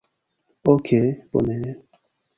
Okej bone...